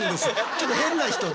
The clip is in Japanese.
ちょっと変な人で。